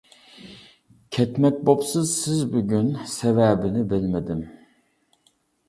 كەتمەك بوپسىز سىز بۈگۈن، سەۋەبىنى بىلمىدىم.